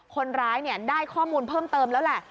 คนร้ายได้ข้อมูลเพิ่มเติมแล้วแหละ